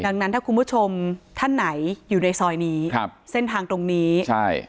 ดังนั้นถ้าคุณผู้ชมท่านไหนอยู่ในซอยนี้ครับเส้นทางตรงนี้ใช่